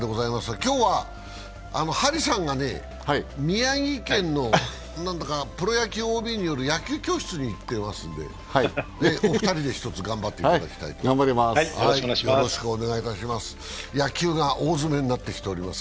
今日は張さんが宮城県のプロ野球ＯＢによる野球教室に行っていますので、お二人でひとつ頑張っていただきたいと思います。